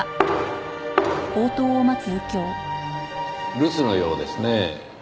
留守のようですねぇ。